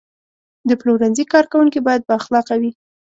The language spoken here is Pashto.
د پلورنځي کارکوونکي باید بااخلاقه وي.